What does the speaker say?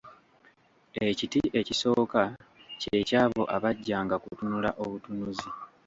Ekiti ekisooka ky'eky'abo abajjanga kutunula obutunuzi.